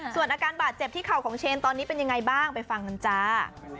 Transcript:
ส่วนอาการบาดเจ็บที่เข่าของเชนตอนนี้เป็นยังไงบ้างไปฟังกันจ้า